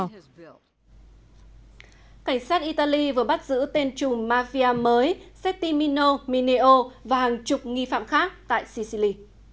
cảnh sát italy vừa bắt giữ tên chủ mafia mới settimino mineo và hàng chục nghi phạm khác tại sicily